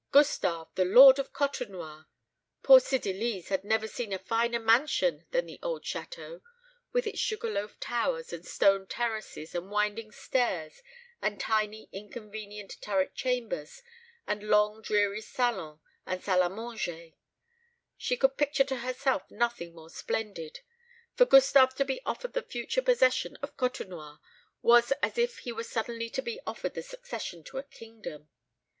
Gustave the lord of Côtenoir! Poor Cydalise had never seen a finer mansion than the old château, with its sugar loaf towers and stone terraces, and winding stairs, and tiny inconvenient turret chambers, and long dreary salon and salle à manger. She could picture to herself nothing more splendid. For Gustave to be offered the future possession of Côtenoir was as if he were suddenly to be offered the succession to a kingdom.